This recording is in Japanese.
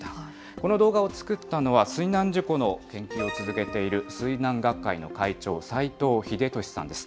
この動画を作ったのは水難事故の研究を続けている、水難学会の会長、斎藤秀俊さんです。